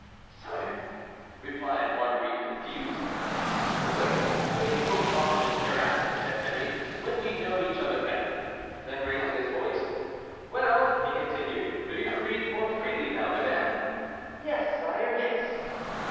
"Sire!" replied Marguerite, confused. "Good, good; we will talk of this hereafter," said Henry, "when we know each other better." Then, raising his voice—"Well," he continued, "do you breathe more freely now, madame?" "Yes, sire,—yes!"